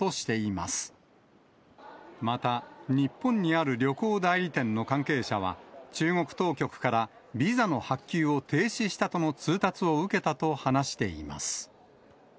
また、日本にある旅行代理店の関係者は、中国当局からビザの発給を停止したとの通達を受けたと話しています。